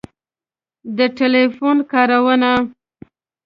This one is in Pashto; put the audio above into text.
د ټیلیفون کارونه